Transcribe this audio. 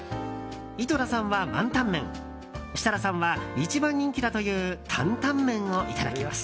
井戸田さんはワンタン麺設楽さんは一番人気だという担々麺をいただきます。